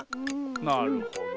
なるほど。